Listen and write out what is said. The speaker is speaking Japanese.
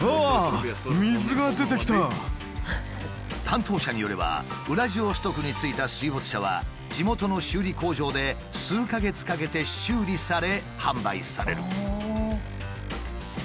担当者によればウラジオストクに着いた水没車は地元の修理工場で数か月かけて修理され販売される。